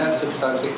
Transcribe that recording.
ya ini substansi acara